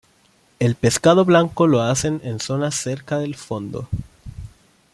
El pescado blanco lo hace en zonas cerca del fondo.